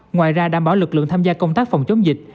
ngoài ra đảm bảo lực lượng tham gia công tác phòng chống dịch